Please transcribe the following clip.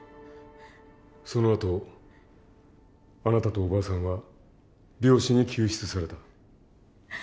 そのあとあなたとおばあさんは猟師に救出された。